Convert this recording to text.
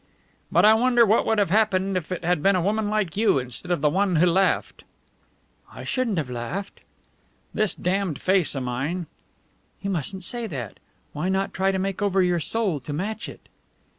"But I wonder what would have happened if it had been a woman like you instead of the one who laughed." "I shouldn't have laughed." "This damned face of mine!" "You mustn't say that! Why not try to make over your soul to match it?"